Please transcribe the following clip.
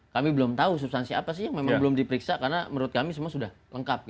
kami belum tahu substansi apa sih yang memang belum diperiksa karena menurut kami semua sudah lengkap